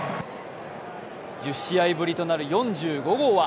１０試合ぶりとなる４５号は。